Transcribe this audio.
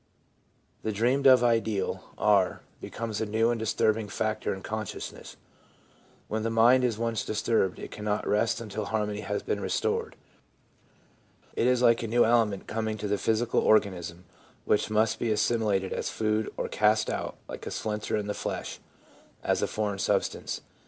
The dreamed of ideal, r, becomes a new and disturbing factor in consciousness. When the mind is once disturbed it cannot rest until harmony has been restored. It is like a new element coming to the physical organism, which must be assimi lated as food, or cast out, like a splinter in the flesh, as a foreign substance.